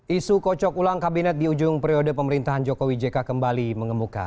isu kocok ulang kabinet di ujung periode pemerintahan jokowi jk kembali mengemuka